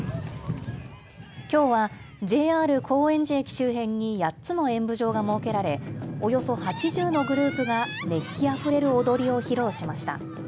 きょうはＪＲ高円寺駅周辺に８つの演舞場が設けられおよそ８０のグループが熱気あふれる踊りを披露しました。